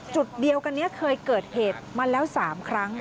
จุดเดียวกันนี้เคยเกิดเหตุมาแล้ว๓ครั้ง